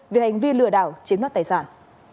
về hành vi lừa đảo chiếm nốt tài sản